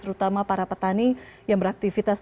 terutama para petani yang beraktivitas